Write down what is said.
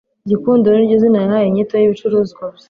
gikundiro niryo zina yahaye inyito y'ibicuruzwa bye